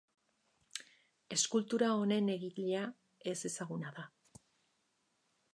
Eskultura honen egilea ezezaguna da.